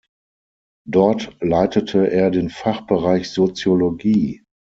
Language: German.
Dort leitete er den Fachbereich Soziologie.